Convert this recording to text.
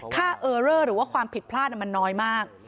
เออเลอร์หรือว่าความผิดพลาดมันน้อยมาก